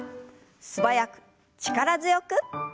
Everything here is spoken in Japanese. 素早く力強く。